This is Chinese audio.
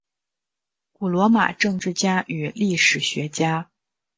古罗马政治家与历史学家。